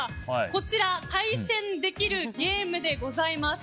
こちら、対戦できるゲームでございます。